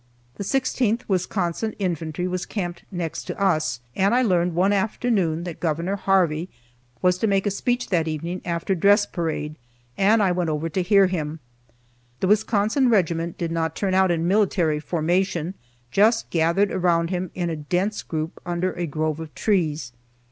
The 16th Wisconsin Infantry was camped next to us, and I learned one afternoon that Gov. Harvey was to make them a speech that evening, after dress parade, and I went over to hear him. The Wisconsin regiment did not turn out in military formation, just gathered around him in a dense group under a grove of trees.